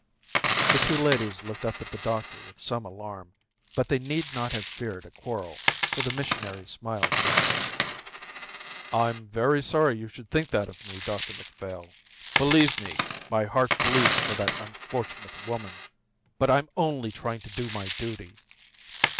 The two ladies looked up at the doctor with some alarm, but they need not have feared a quarrel, for the missionary smiled gently. "I'm terribly sorry you should think that of me, Dr Macphail. Believe me, my heart bleeds for that unfortunate woman, but I'm only trying to do my duty."